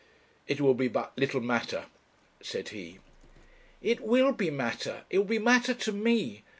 'It will be but little matter,' said he. 'It will be matter. It will be matter to me.